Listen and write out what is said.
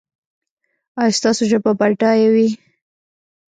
ایا ستاسو ژبه به بډایه وي؟